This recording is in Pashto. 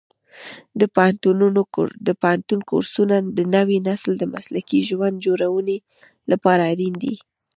د پوهنتون کورسونه د نوي نسل د مسلکي ژوند جوړونې لپاره اړین دي.